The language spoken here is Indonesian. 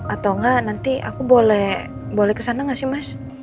atau ngga nanti aku boleh boleh kesana gak sih mas